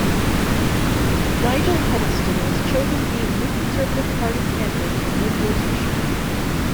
Nigel Huddleston was chosen to be the new Conservative Party candidate for Mid Worcestershire.